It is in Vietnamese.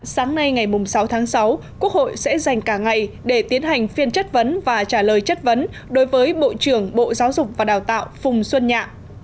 sáng nay ngày sáu tháng sáu quốc hội sẽ dành cả ngày để tiến hành phiên chất vấn và trả lời chất vấn đối với bộ trưởng bộ giáo dục và đào tạo phùng xuân nhạ